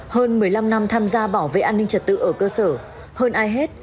hơn một mươi năm năm tham gia bảo vệ an ninh trật tự ở cơ sở hơn ai hết